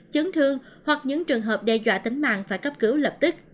chấn thương hoặc những trường hợp đe dọa tính mạng phải cấp cứu lập tức